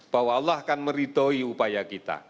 bahwa allah akan meridoi upaya kita